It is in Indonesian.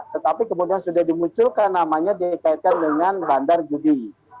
tetapi kemudian sudah dimunculkan namanya dikaitkan dengan bandar judi